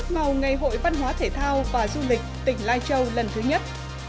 màu ngày hội văn hóa thể thao và du lịch tỉnh lai châu lần thứ nhất